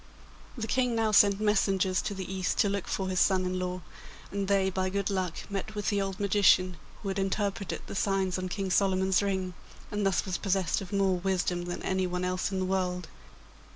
The King now sent messengers to the East to look for his son in law, and they by good luck met with the old magician who had interpreted the signs on King Solomon's ring, and thus was possessed of more wisdom than anyone else in the world.